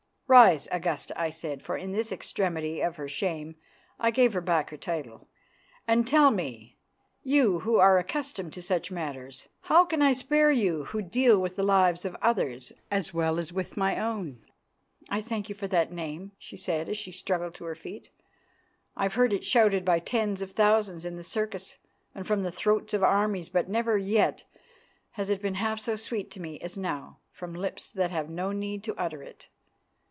"Rise, Augusta," I said, for in this extremity of her shame I gave her back her title, "and tell me, you who are accustomed to such matters, how I can spare you who deal with the lives of others as well as with my own?" "I thank you for that name," she said as she struggled to her feet. "I've heard it shouted by tens of thousands in the circus and from the throats of armies, but never yet has it been half so sweet to me as now from lips that have no need to utter it.